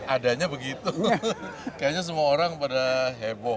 adanya begitu kayaknya semua orang pada heboh